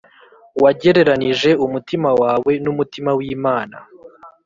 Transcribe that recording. Wagereranije umutima wawe n’ umutima w’ Imana